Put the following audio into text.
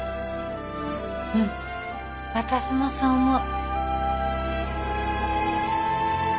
うん私もそう思う